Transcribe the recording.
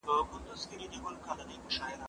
کتاب وليکه،